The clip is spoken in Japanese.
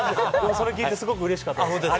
それを聞いてすごく嬉しかったです。